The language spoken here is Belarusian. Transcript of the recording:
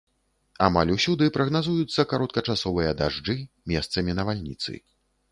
Амаль усюды прагназуюцца кароткачасовыя дажджы, месцамі навальніцы.